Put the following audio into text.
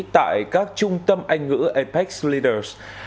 tại các trung tâm anh ngữ apex leaders